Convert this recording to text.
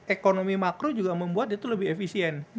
ekonomi makro juga membuat itu lebih efisien